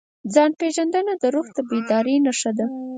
ځان پېژندنه د روح د بیدارۍ نښه ده.